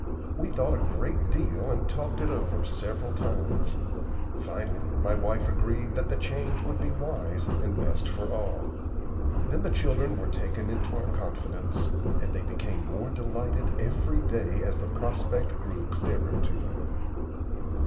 We thought a great deal and talked it over several times. Finally my wife agreed that the change would be wise and best for all. Then the children were taken into our confidence, and they became more delighted every day as the prospect grew clearer to them.